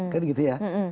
kan gitu ya